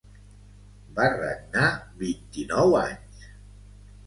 Va regnar vint-i-nou anys.